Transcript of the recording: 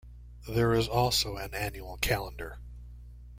There is also an annual calendar.